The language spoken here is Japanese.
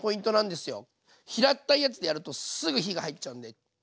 平ったいやつでやるとすぐ火が入っちゃうんで。